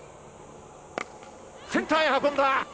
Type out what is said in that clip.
センターへ運んだ。